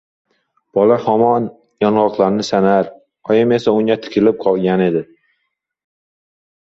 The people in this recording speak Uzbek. Bola hamon yong‘oqlarini sanar, oyim ham unga tikilib qolgan edi.